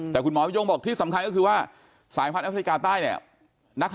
แต่คุณหมอยงบอกที่สำคัญก็คือว่าสายพันธ์แอฟริกาใต้เนี่ย